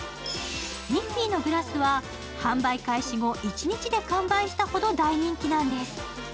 ミッフィーのグラスは販売開始後一日で完売したほど大人気なんです。